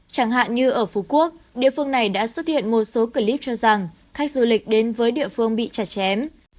chẳng hạn như ở phú quốc địa phương này đã xuất hiện một số clip cho rằng khách du lịch đến với địa phương bị chặt chém